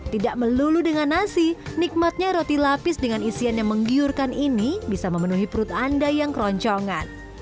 tidak melulu dengan nasi nikmatnya roti lapis dengan isian yang menggiurkan ini bisa memenuhi perut anda yang keroncongan